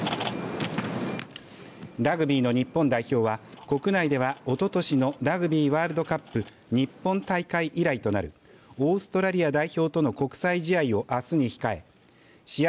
ラグビーの日本代表は国内ではおととしのラグビーワールドカップ日本大会以来となるオーストラリア代表との国際試合をあすに控え試合